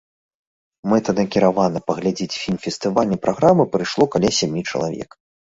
Мэтанакіравана паглядзець фільм фестывальнай праграмы прыйшло каля сямі чалавек.